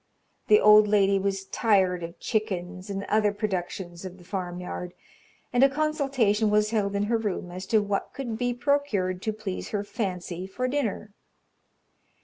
The old lady was tired of chickens and other productions of the farmyard, and a consultation was held in her room as to what could be procured to please her fancy for dinner.